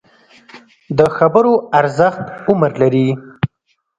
د خبرو ارزښت عمر لري